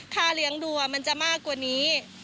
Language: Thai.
ค่าเลี้ยงดูมันจะมากกว่านี้